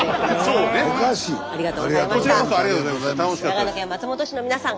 長野県松本市の皆さん